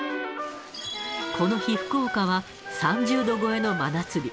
この日、福岡は３０度超えの真夏日。